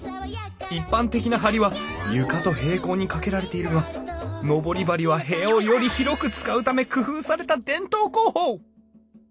一般的な梁は床と平行に架けられているが登り梁は部屋をより広く使うため工夫された伝統工法！